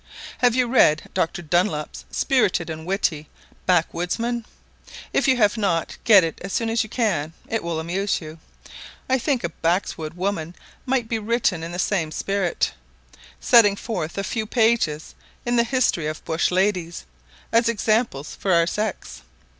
Have you read Dr. Dunlop's spirited and witty "Backwoodsman?" If you have not, get it as soon as you can; it will amuse you. I think a Backwoods woman might be written in the same spirit, setting forth a few pages, in the history of bush ladies, as examples for our sex.